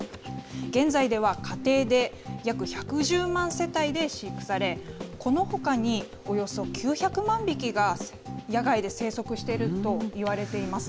現在では、家庭で約１１０万世帯で飼育され、このほかに、およそ９００万匹が野外で生息しているといわれています。